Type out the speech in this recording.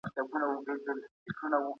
خپل ماشومان په اسلامي روحیه وروزی.